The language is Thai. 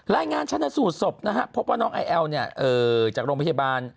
รายงานชนะสูตรศพนะฮะพบว่าน้องไอแอลเนี่ยจากโรงพยาบาล